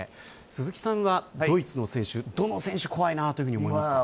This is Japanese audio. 鈴木さんはドイツの選手どの選手が怖いと思いますか。